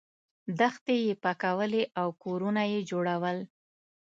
دښتې یې پاکولې او کورونه یې جوړول.